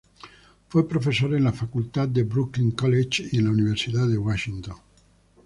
Fue profesor de la Facultad de Brooklyn College y en la Universidad de Washington.